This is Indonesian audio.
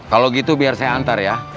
kalau gitu biar saya antar ya